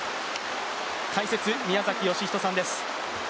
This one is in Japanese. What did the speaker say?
解説、宮崎義仁さんです。